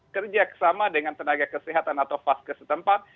kerja sama dengan tenaga kesehatan atau fas ke setempat